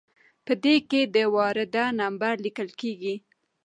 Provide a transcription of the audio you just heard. په دې کې د وارده نمبر لیکل کیږي.